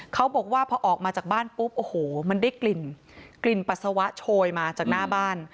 เขาบอกว่าพอออกมาจากบ้านปุ๊บโอ้โหมันได้กลิ่นกลิ่นปัสสาวะโชยมาจากหน้าบ้าน